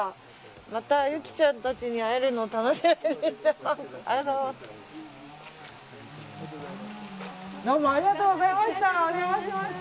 またゆきちゃんたちに会えるのを楽しみにしてます。